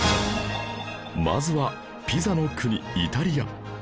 まずはピザの国イタリア